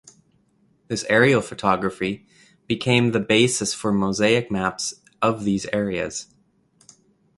This aerial photography became the basis for mosaic maps of these areas.